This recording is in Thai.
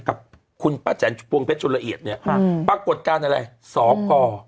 กับคุณป้าแจนพวงเพชรชุนละเอียดเนี่ยปรากฏการณ์อะไรสอกร